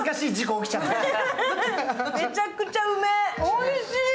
おいしい。